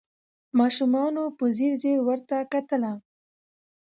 ماشومانو په ځیر ځیر ورته کتله